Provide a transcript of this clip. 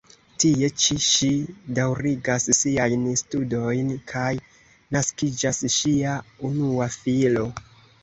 Tie ĉi ŝi daŭrigas siajn studojn kaj naskiĝas ŝia unua filo.